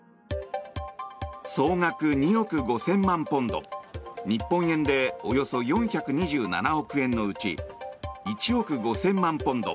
総額２億５０００万ポンド日本円でおよそ４２７億円のうち１億５０００万ポンド